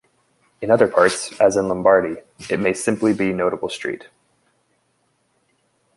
In other parts, as in Lombardy, it may simply be a notable street.